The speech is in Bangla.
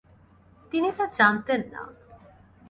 তিনি তা জানতেন না।